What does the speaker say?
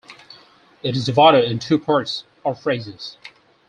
It is divided in two parts or phrases.